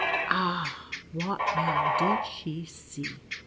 Ah, what now did she see